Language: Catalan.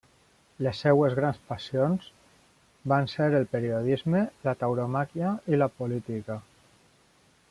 Les seues grans passions van ser el periodisme, la tauromàquia i la política.